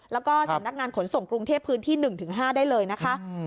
แล้วก็สำนักงานขนส่งกรุงเทพพื้นที่๑๕ได้เลยนะคะ